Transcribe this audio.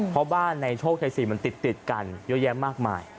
เพราะบ้านในโชคชัย๔มันติดกันเยอะแยะมากมาย